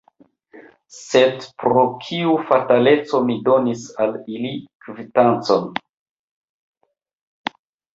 Sed pro kiu fataleco mi donis al ili kvitancon?